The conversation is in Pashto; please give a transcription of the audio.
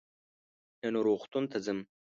نن روغتون ته ځم.